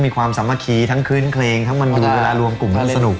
มีความสมะขีทั้งคลิ้นเครงมันดูเวลารุมกลุ่มแล้วสนุทร